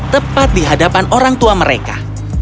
tepat di hadapan orang tua mereka